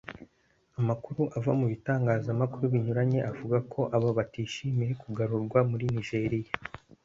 Amakuru ava mu bitangazamakuru binyuranye avuga ko aba batishimiye kugarurwa muri Nigeria